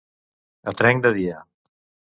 A trenc de dia.